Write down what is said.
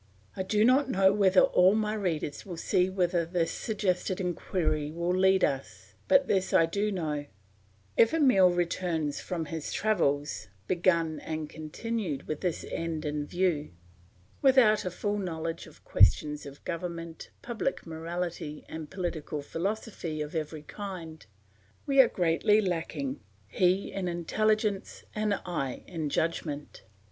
I do not know whether all my readers will see whither this suggested inquiry will lead us; but this I do know, if Emile returns from his travels, begun and continued with this end in view, without a full knowledge of questions of government, public morality, and political philosophy of every kind, we are greatly lacking, he in intelligence and I in judgment.